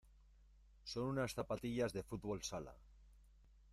Son unas zapatillas de fútbol sala.